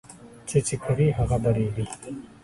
څه چې کرې، هغه به ريبې